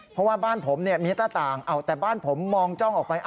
เพราะว่าบ้านผมมีหน้าต่างแต่บ้านผมมองจ้องออกไป